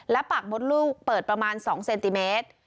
และปากมดลูกเปิดประมาณ๒เซนติเมตร